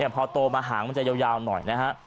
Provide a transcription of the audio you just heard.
พอโตมาหางมันจะยาวหน่อยนะฮะ